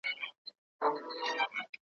نیکه له پلاره ورکي لاري په میراث راوړي ,